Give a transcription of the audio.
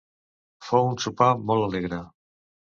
Fou un sopar molt alegre.